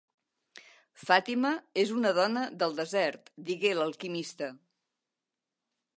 "Fatima és una dona del desert", digué l'alquimista.